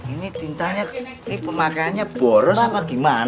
ini tintanya ini pemakaiannya boros apa gimana